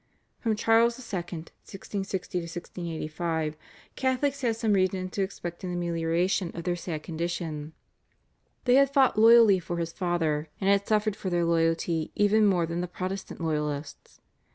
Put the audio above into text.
From Charles II. (1660 1685) Catholics had some reason to expect an amelioration of their sad condition. They had fought loyally for his father and had suffered for their loyalty even more than the Protestant loyalists.